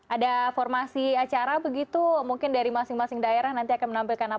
ada formasi acara begitu mungkin dari masing masing daerah nanti akan menampilkan apa